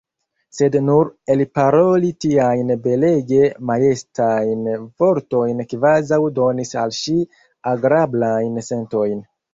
Sed nur elparoli tiajn belege majestajn vortojn kvazaŭ donis al ŝi agrablajn sentojn.